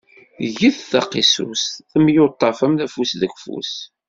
Get taqisust temyuṭṭafem afus deg ufus.